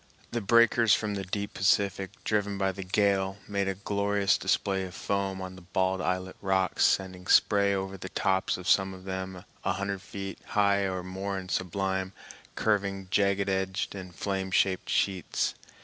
The breakers from the deep Pacific, driven by the gale, made a glorious display of foam on the bald islet rocks, sending spray over the tops of some of them a hundred feet high or more in sublime, curving, jagged edged and flame shaped sheets.